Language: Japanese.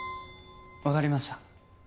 わかりました。